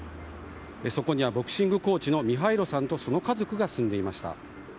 そこにはボクシングコーチのミハイロさんとその家族が住んでいました。